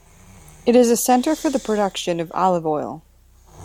It is a centre for the production of olive oil.